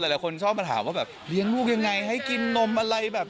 หลายคนชอบมาถามว่าแบบเลี้ยงลูกยังไงให้กินนมอะไรแบบ